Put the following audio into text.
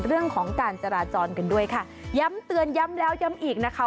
เรื่องของการจราจรกันด้วยค่ะย้ำเตือนย้ำแล้วย้ำอีกนะคะ